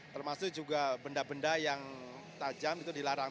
termasuk juga benda benda yang tajam itu dilarang